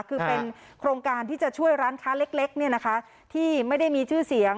คือเป็นโครงการที่จะช่วยร้านค้าเล็กที่ไม่ได้มีชื่อเสียง